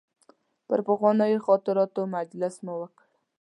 پر پخوانیو خاطراتو مجلس مو وکړ.